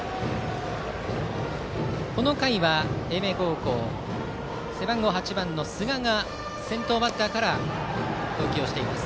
この回は、英明高校背番号８番の寿賀が先頭バッターから投球しています。